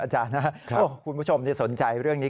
อาจารย์ค่ะคุณผู้ชมสนใจเรื่องนี้